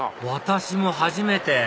私も初めて！